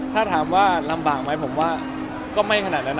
ถ้าถามว่าลำบากไหมผมว่าก็ไม่ขนาดนั้น